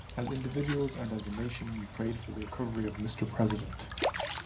As individuals and as a nation we prayed for the recovery of Mr President.